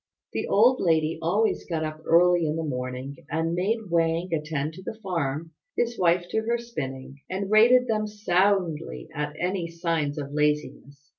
The old lady always got up early in the morning and made Wang attend to the farm, his wife to her spinning; and rated them soundly at any signs of laziness.